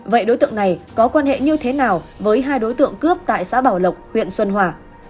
vậy đối tượng này có quan hệ như thế nào với hai đối tượng cướp tại xã bảo lộc huyện xuân hòa